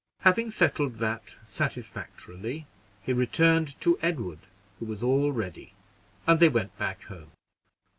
Having settled that satisfactorily, he returned to Edward, who was all ready, and they went back home.